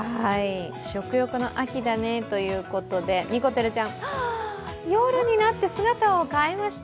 食欲の秋だねということでにこてるちゃん、夜になって姿を変えました。